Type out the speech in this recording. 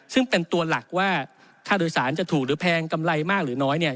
ซึ่งเป็นตัวหลักว่าค่าโดยสารจะถูกหรือแพงกำไรมากหรือน้อยเนี่ย